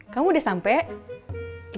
kamu udah sampe